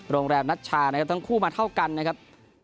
โรงแรมนัชชานะครับทั้งคู่มาเท่ากันนะครับ